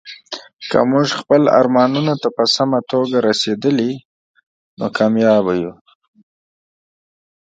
که موږ خپلو ارمانونو ته په سمه توګه رسیدلي، نو کامیاب یو.